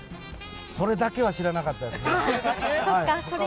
それだけは知らなかったですね。